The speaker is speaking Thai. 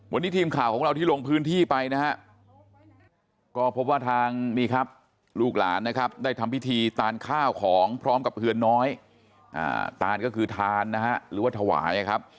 วันนี้ทีมข่าวของเราที่ลงพื้นที่ไปนะฮะก็พบว่าทางนี่ครับลูกหลานนะครับได้ทำพิธีตานข้าวของพร้อมกับเฮือนน้อยตานก็คือทานนะฮะหรือว่าถวายนะครับ